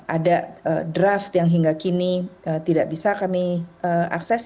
ada draft yang hingga kini tidak bisa kami akses